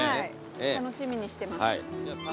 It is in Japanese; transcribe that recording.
楽しみにしてます。